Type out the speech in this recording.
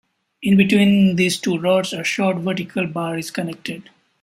In between these two rods, a short vertical bar is connected.